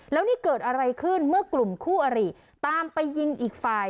แล้วนี่เกิดอะไรขึ้นเมื่อกลุ่มคู่อริตามไปยิงอีกฝ่าย